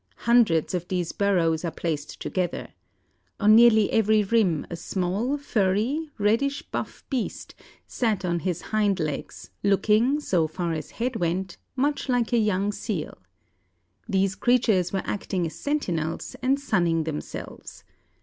"Hundreds of these burrows are placed together. On nearly every rim a small furry, reddish buff beast sat on his hind legs, looking, so far as head went, much like a young seal. These creatures were acting as sentinels, and sunning themselves.